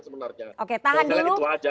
sebenarnya itu aja